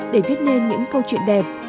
để viết nên những câu chuyện đẹp